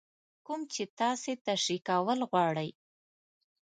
کوم چې تاسې تشرېح کول غواړئ.